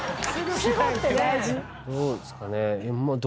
どうですかね。